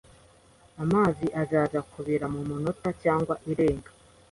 Amazi azaza kubira muminota cyangwa irenga